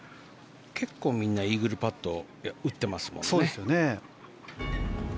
結構みんなイーグルパットを打ってますもんね。